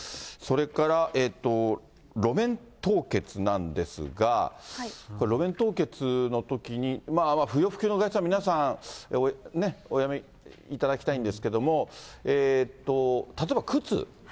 それから、路面凍結なんですが、路面凍結のときに、不要不急の外出は皆さん、おやめいただきたいんですけれども、例えば靴。